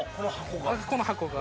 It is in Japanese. この箱が。